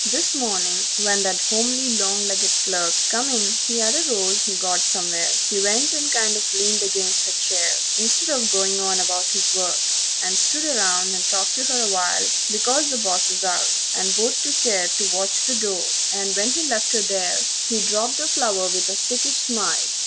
VIII This morning when that homely, long legged clerk Come in he had a rose he got somewhere; He went and kind of leaned against her chair, Instead of goin' on about his work, And stood around and talked to her a while, Because the boss was out, and both took care To watch the door; and when he left her there He dropped the flower with a sickish smile.